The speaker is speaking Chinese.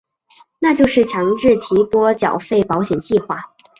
那就是强制提拨缴费保险计划。